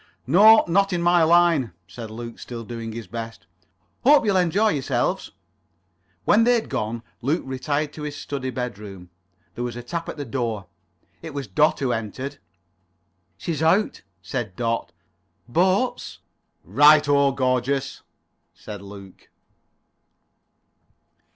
"No, not in my line," said Luke, still doing his best. "Hope you'll enjoy yourselves." When they had gone, Luke retired to his study bedroom. There was a tap at the door. It was Dot who entered. "She's out," said Dot. "Boats?" "Right o. Gorgeous," said Luke.